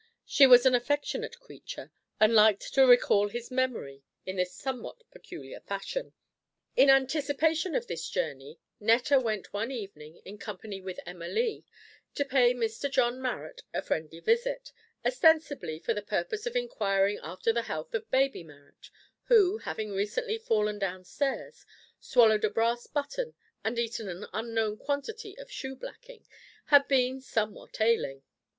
She was an affectionate creature, and liked to recall his memory in this somewhat peculiar fashion. In anticipation of this journey, Netta went one evening, in company with Emma Lee, to pay Mrs John Marrot a friendly visit, ostensibly for the purpose of inquiring after the health of baby Marrot, who, having recently fallen down stairs, swallowed a brass button and eaten an unknown quantity of shoe blacking, had been somewhat ailing.